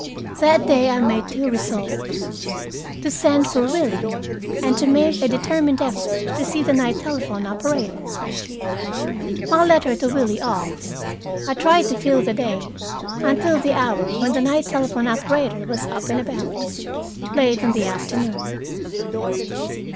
That day I made two resolves to send for Willie and to make a determined effort to see the night telephone operator. My letter to Willie off, I tried to fill the day until the hour when the night telephone operator was up and about, late in the afternoon.